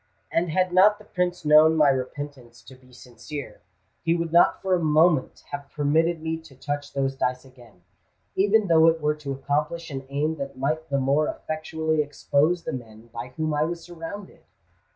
And had not the Prince known my repentance to be sincere, he would not for a moment have permitted me to touch those dice again—even though it were to accomplish an aim that might the more effectually expose the men by whom I was surrounded!